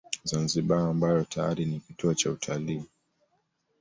Zanzibar ambayo tayari ni kituo cha utalii